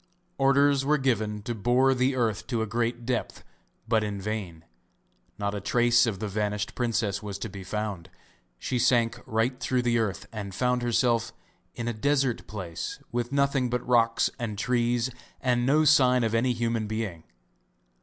Orders were given to bore the earth to a great depth, but in vain; not a trace of the vanished princess was to be found. She sank right through the earth and found herself in a desert place with nothing but rocks and trees and no sign of any human being.